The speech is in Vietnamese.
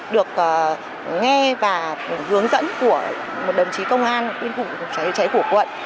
được nghe và hướng dẫn của một đồng chí công an tuyên thủ cháy hủ quận